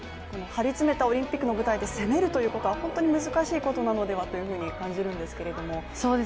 張り詰めたオリンピックの舞台で攻めるということは本当に難しいことなのではというふうに感じるんですけれども。